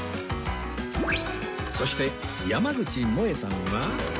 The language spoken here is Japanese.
そして山口もえさんは